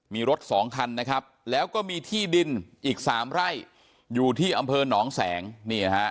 มีรถสองคันนะครับแล้วก็มีที่ดินอีกสามไร่อยู่ที่อำเภอหนองแสงนี่นะฮะ